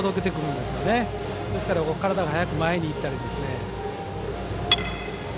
ですから体が早く前にいったりですね。